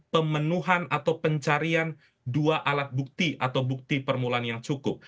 pemenuhan atau pencarian dua alat bukti atau bukti permulaan yang cukup